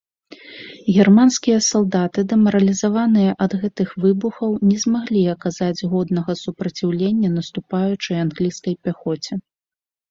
Германскія салдаты, дэмаралізаваныя ад гэтых выбухаў, не змаглі аказаць годнага супраціўлення наступаючай англійскай пяхоце.